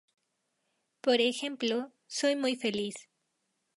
Por ejemplo: "Soy muy feliz".